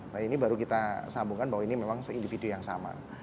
nah ini baru kita sambungkan bahwa ini memang seindividu yang sama